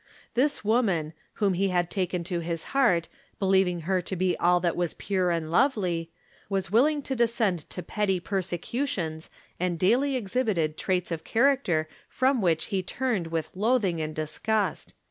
This woman, whom he had taken to his heart, believing her to be all that was pure and lovely, was willing to descend to petty persecutions, and daily exhibited traits of character from which he turned with loathing and disgust.